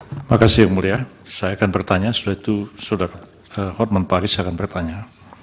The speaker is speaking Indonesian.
terima kasih yang mulia saya akan bertanya setelah itu saudara hotman paris akan bertanya